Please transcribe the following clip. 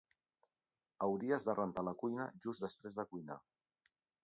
Hauríes de rentar la cuina just després de cuinar